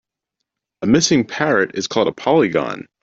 A missing parrot is called a polygon.